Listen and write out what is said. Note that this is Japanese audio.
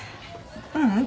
ううん。